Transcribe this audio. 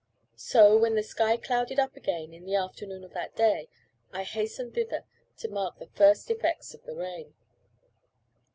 So, when the sky clouded up again, in the afternoon of that day, I hastened thither to mark the first effects of the rain.